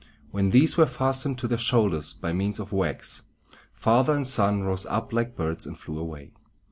When these were fastened to their shoulders by means of wax, father and son rose up like birds and flew away.